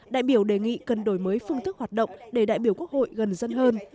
đại biểu đề nghị cần đổi mới phương thức hoạt động để đại biểu quốc hội gần dân hơn